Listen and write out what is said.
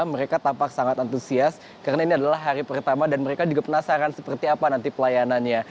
mereka tampak sangat antusias karena ini adalah hari pertama dan mereka juga penasaran seperti apa nanti pelayanannya